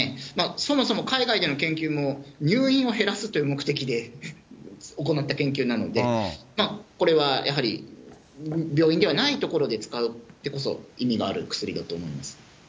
そもそも海外での研究も入院を減らすという目的で行った研究なので、これはやはり病院ではないところで使ってこそ、意味がある薬だと思います。